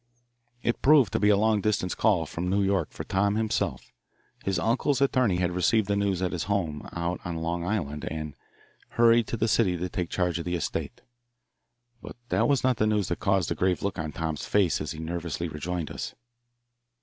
It proved to be a long distance call from New York for Tom himself. His uncle's attorney had received the news at his home out on Long Island and had hurried to the city to take charge of the estate. But that was not the news that caused the grave look on Tom's face as he nervously rejoined us.